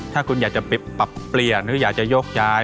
ถ้าคุณอยากจะไปปรับเปลี่ยนหรืออยากจะยกย้าย